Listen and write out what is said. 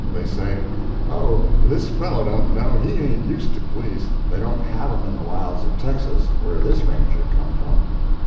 They say, "Oh, this fellow don't know—he ain't used to police—they don't have 'em in the wilds of Texas where this Ranger come from."